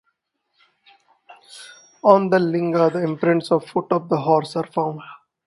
On the Linga the imprints of foot of the horse are found.